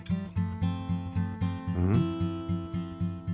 うん？